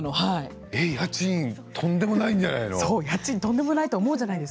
家賃とんでもないんじゃないの？